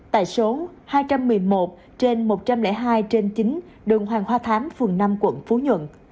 tại số hai trăm một mươi một trên một trăm linh hai trên chín đường hoàng hoa thám phường năm quận phú nhuận